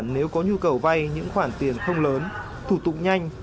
nếu có nhu cầu vay những khoản tiền không lớn thủ tục nhanh